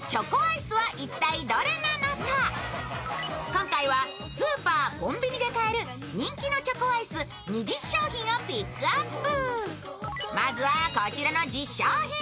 今回はスーパー・コンビニで買える人気のチョコアイス２０商品をピックアップ。